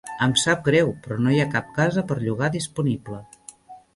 Em sap greu, però no hi ha cap casa per llogar disponible.